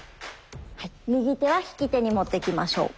はい右手は引き手にもってきましょう。